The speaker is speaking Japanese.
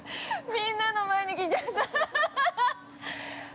みんなの前に来ちゃった。